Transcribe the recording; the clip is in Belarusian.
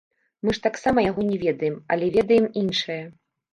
Мы ж таксама яго не ведаем, але ведаем іншае.